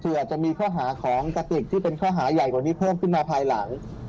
คืออาจจะมีข้อหาของกระติกที่เป็นข้อหาใหญ่กว่านี้เพิ่มขึ้นมาภายหลัง